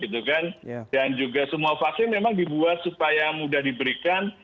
dan juga semua vaksin memang dibuat supaya mudah diberikan